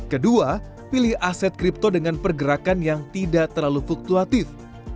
kedua pilih aset kripto dengan pergerakan yang tidak terlalu fluktuatif